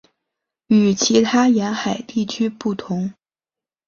与其他沿海地区不同。